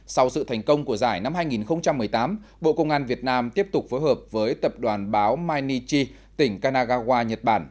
sau sự thành công của giải năm hai nghìn một mươi tám bộ công an việt nam tiếp tục phối hợp với tập đoàn báo mainichi tỉnh kanagawa nhật bản